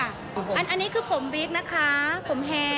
อันนี้คือผมบิ๊กนะคะผมเฮ